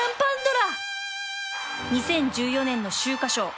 ２０１４年の秋華賞